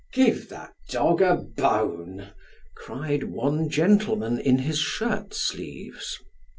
" Give that dog a bone !" cried one gentleman in his shirt sleeves.